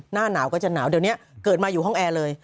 หน้าหนาวก็จะหนาวเดี๋ยวนี้เกิดมาอยู่ห้องแอร์เลย